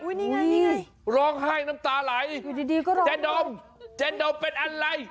อุ๊ยนี่ไงร้องไห้น้ำตาไหลจ๊ะดมจ๊ะดมเป็นอะไร